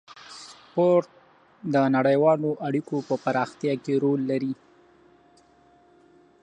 سپورت د نړیوالو اړیکو په پراختیا کې رول لري.